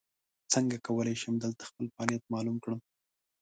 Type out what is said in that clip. څنګه کولی شم دلته خپل فعالیت معلوم کړم ؟